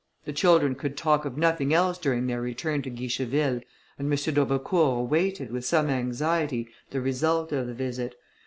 The children could talk of nothing else during their return to Guicheville, and M. d'Aubecourt awaited, with some anxiety, the result of the visit.